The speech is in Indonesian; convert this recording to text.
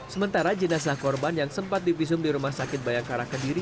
sementara jenazah korban yang sempat divisum di rumah sakit bayangkara kediri